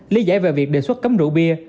lý giải về việc đề xuất cấm rượu bia